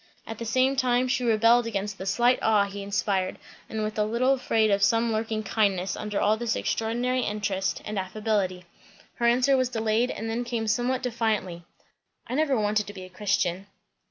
At the same time she rebelled against the slight awe he inspired, and was a little afraid of some lurking "kindness" under all this extraordinary interest and affability. Her answer was delayed and then came somewhat defiantly. "I never wanted to be a Christian."